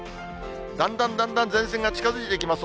だんだんだんだん前線が近づいてきます。